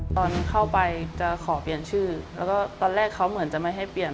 ตอนเข้าไปจะขอเปลี่ยนชื่อแล้วก็ตอนแรกเขาเหมือนจะไม่ให้เปลี่ยน